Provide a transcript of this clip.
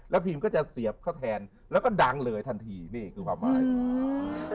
พิมก็จะเสียบเข้าแทนแล้วก็ดังเลยทันทีนี่คือความหมายอืม